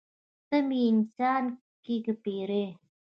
ته مې انسان یې که پیری.